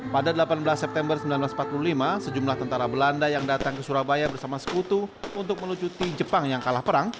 pada delapan belas september seribu sembilan ratus empat puluh lima sejumlah tentara belanda yang datang ke surabaya bersama sekutu untuk melucuti jepang yang kalah perang